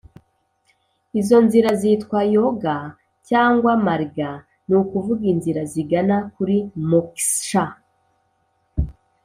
izo nzira zitwa yoga cyangwa marga, ni ukuvuga inzira zigana kuri moksha.